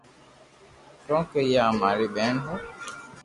ڪون ڪيي آ ماري ٻين ھي